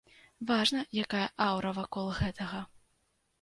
Важна, якая аўра вакол гэтага.